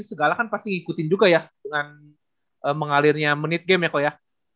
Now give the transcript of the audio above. segala kan pasti ngikutin juga ya dengan mengalirnya menit game ya kok ya